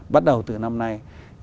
bắt đầu từ năm nay